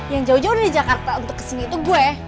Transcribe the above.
yang jauh jauh dari jakarta untuk kesini itu gue